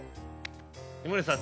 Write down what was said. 井森さん